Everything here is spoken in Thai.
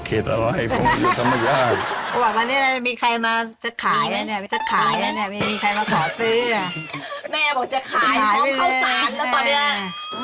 อืมอืมอืมอืมอืมอืมอืมอืมอืมอืมอืมอืม